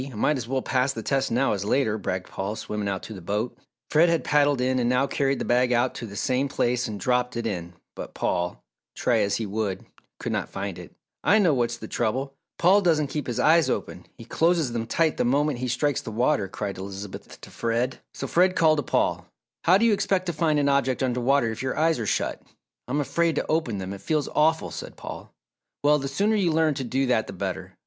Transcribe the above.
I might as well pass the test now as later," bragged Paul, swimming out to the boat. Fred had paddled in and now carried the bag out to the same place and dropped it in but Paul, try as he would, could not find it. "I know what's the trouble Paul doesn't keep his eyes open. He closes them tight the moment he strikes the water," cried Elizabeth to Fred. So Fred called to Paul, "How do you expect to find an object under water if your eyes are shut?" "I'm afraid to open them, it feels awful," said Paul. "Well, the sooner you learn to do that the better.